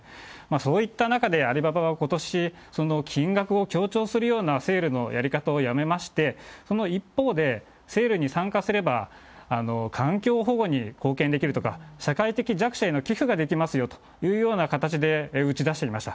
そういった中でアリババはことし、その金額を強調するようなセールのやり方をやめまして、その一方で、セールに参加すれば環境保護に貢献できるとか、社会的弱者への寄付ができますよというような形で打ち出していました。